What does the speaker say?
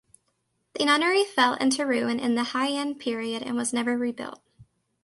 The nunnery fell into ruin in the Heian period and was never rebuilt.